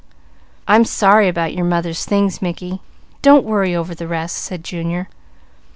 "I'm sorry about your mother's things Mickey, but don't worry over the rest," said Junior.